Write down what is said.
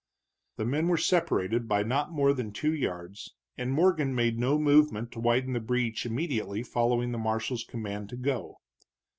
The men were separated by not more than two yards, and Morgan made no movement to widen the breach immediately following the marshal's command to go.